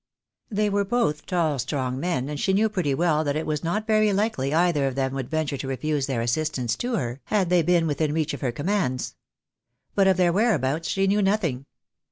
They were both tall strong men, and she knew pretty well that it was not very likely either of them would venture to refuse their assistance to her, had they been within reach of her commands. But of their whereabouts she knew nothing.